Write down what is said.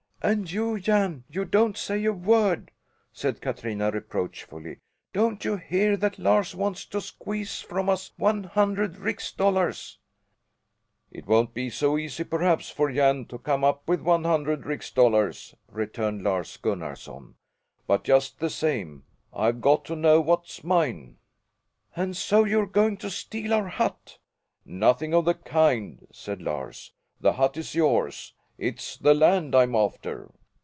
"And you, Jan, you don't say a word!" said Katrina reproachfully. "Don't you hear that Lars wants to squeeze from us one hundred rix dollars?" "It won't be so easy, perhaps, for Jan to come up with one hundred rix dollars," returned Lars Gunnarson, "but just the same I've got to know what's mine." "And so you're going to steal our hut?" "Nothing of the kind!" said Lars. "The hut is yours. It's the land I'm after."